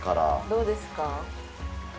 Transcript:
どうですか？